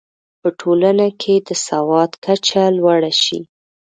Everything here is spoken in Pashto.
په ټولنه کې د سواد کچه لوړه شي.